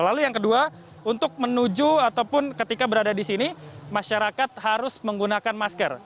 lalu yang kedua untuk menuju ataupun ketika berada di sini masyarakat harus menggunakan masker